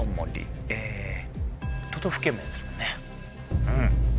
都道府県名ですもんねうん。